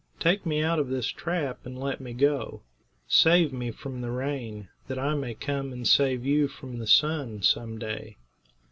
Take me out of this trap and let me go. Save me from the rain, that I may come and save you from the sun some day."